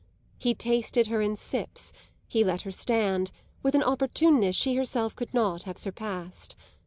He tasted her in sips, he let her stand, with an opportuneness she herself could not have surpassed.